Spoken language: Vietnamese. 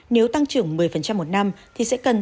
nếu tăng trưởng một mươi một năm thì sẽ tăng cao hơn